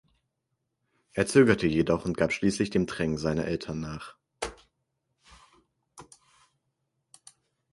Er zögerte jedoch und gab schließlich dem Drängen seiner Eltern nach.